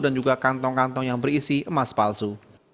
dan juga kantong kantong yang berisi emas palsu